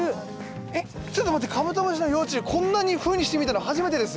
えっちょっと待ってカブトムシの幼虫こんなふうにして見たの初めてです。